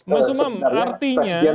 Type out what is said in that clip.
mas umam artinya